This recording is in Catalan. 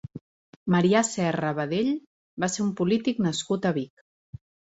Marià Serra Badell va ser un polític nascut a Vic.